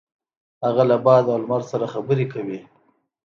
هغه له باد او لمر سره خبرې کوي.